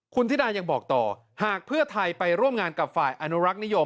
คุณธิดายังบอกต่อหากเพื่อไทยไปร่วมงานกับฝ่ายอนุรักษ์นิยม